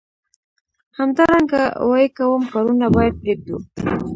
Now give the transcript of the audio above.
همدارنګه وايي کوم کارونه باید پریږدو.